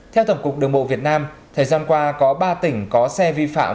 theo tổng cục đường bộ việt nam thời gian qua có ba tỉnh có xe vi phạm